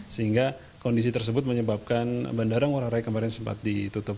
sehingga kondisi tersebut menyebabkan bandara ngurah rai kemarin sempat ditutup